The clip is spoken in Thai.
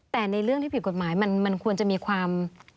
แต่ในเรื่องที่ผิดกฎหมายมันควรจะมีความ